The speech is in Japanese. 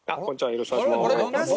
よろしくお願いします。